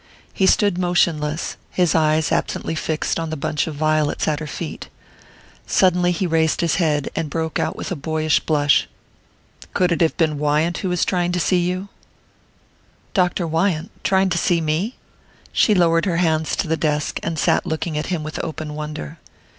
He stood motionless, his eyes absently fixed on the bunch of violets at her feet. Suddenly he raised his head, and broke out with a boyish blush: "Could it have been Wyant who was trying to see you?" "Dr. Wyant trying to see me?" She lowered her hands to the desk, and sat looking at him with open wonder.